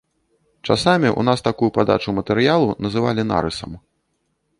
Часамі ў нас такую падачу матэрыялу называлі нарысам.